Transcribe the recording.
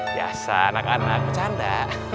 biasa anak anak bercanda